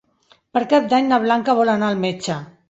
Per Cap d'Any na Blanca vol anar al metge.